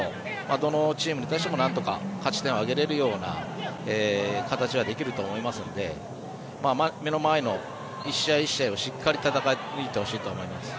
どのチームに対してもなんとか勝ち点を挙げられるような形はできると思いますので目の前の１試合１試合をしっかり戦い抜いてほしいと思います。